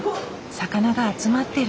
魚が集まってる。